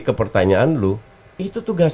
ke pertanyaan lu itu tugas